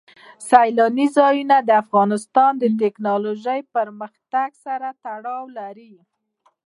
سیلانی ځایونه د افغانستان د تکنالوژۍ پرمختګ سره تړاو لري.